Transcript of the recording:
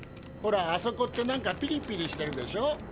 ほらあそこってなんかピリピリしてるでしょ。